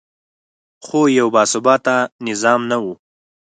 خو یو باثباته نظام نه و